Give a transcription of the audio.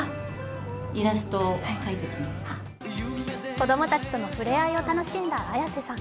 子供たちとの触れ合いを楽しんだ綾瀬さん。